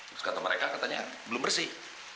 terus kata mereka katanya belum bersih